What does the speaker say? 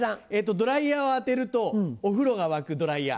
ドライヤーを当てるとお風呂が沸くドライヤー。